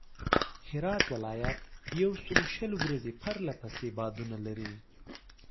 هرات ولایت یوسلوشل ورځي پرله پسې بادونه لري.